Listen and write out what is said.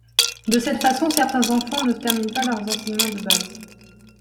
De cette façon, certains enfants ne terminent pas leurs enseignements de base.